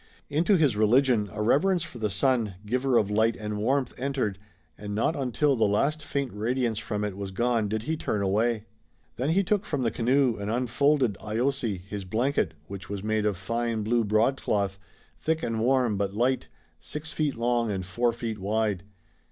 Into his religion a reverence for the sun, Giver of Light and Warmth, entered, and not until the last faint radiance from it was gone did he turn away. Then he took from the canoe and unfolded eyose, his blanket, which was made of fine blue broadcloth, thick and warm but light, six feet long and four feet wide.